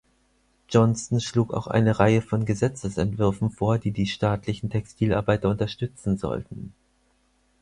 Johnston schlug auch eine Reihe von Gesetzesentwürfen vor, die die staatlichen Textilarbeiter unterstützen sollten.